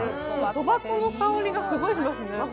そば粉の香りがすごいしますね。